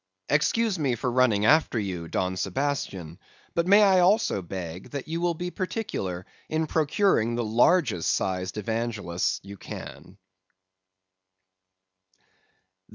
"'Excuse me for running after you, Don Sebastian; but may I also beg that you will be particular in procuring the largest sized Evangelists you can.